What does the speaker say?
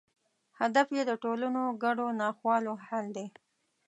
هدف یې د ټولنو ګډو ناخوالو حل دی.